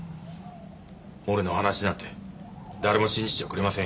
俺の話なんて誰も信じちゃくれませんよ。